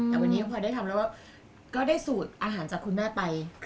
แต่วันนี้พอได้ทำแล้วก็ได้สูตรอาหารจากคุณแม่ไป